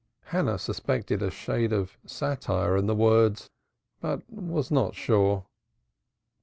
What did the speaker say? Hannah suspected a shade of satire in the words, but was not sure.